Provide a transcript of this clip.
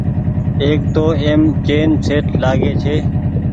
ايڪ تو ايم چيئن شيٽ لآگي ڇي۔